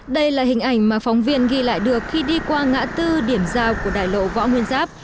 đây là hình ảnh mà phóng viên ghi lại được khi đi qua ngã tư điểm giao của đài lộ võ nguyên giáp